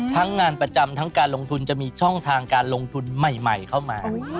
งานประจำทั้งการลงทุนจะมีช่องทางการลงทุนใหม่เข้ามา